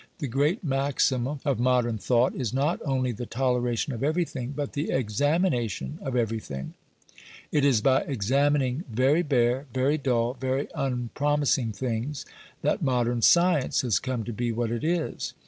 The great maxim of modern thought is not only the toleration of everything, but the examination of everything. It is by examining very bare, very dull, very unpromising things, that modern science has come to be what it is.